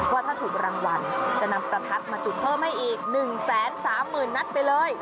ว่าถ้าถูกรางวัลจะนำประทัดมาจุดเพิ่มให้อีก๑๓๐๐๐นัดไปเลย